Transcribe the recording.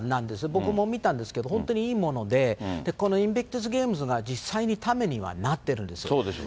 僕も見たんですけど、本当にいいもので、このインビクタス・ゲームズが本当にためにはなってるんですよ。